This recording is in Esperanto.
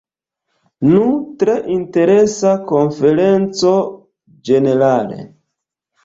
Nu, tre interesa konferenco ĝenerale.